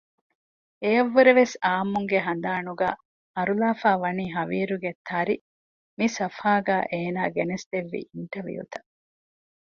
އެއަށް ވުރެ ވެސް އާއްމުންގެ ހަނދާނުގައި ހަރުލާފައިވަނީ ހަވީރުގެ ތަރި މި ސަފުހާގައި އޭނާ ގެނެސްދެއްވި އިންޓަވިއުތައް